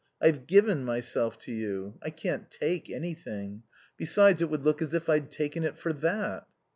I've given myself to you. I can't take anything. Besides, it would look as if I'd taken it for that."